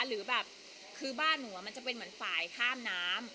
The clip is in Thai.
หรือแบบคือบ้านหนูมันจะเป็นเหมือนฝ่ายข้ามน้ำ